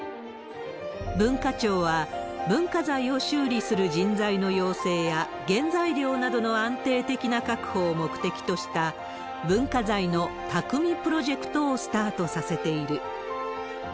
文化庁は、文化財を修理する人材の養成や、原材料などの安定的な確保を目的とした、文化財の匠プロジェクトをスタートさせている。